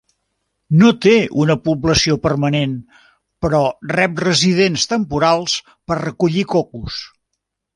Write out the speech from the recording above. No té una població permanent, però rep residents temporals per recollir cocos.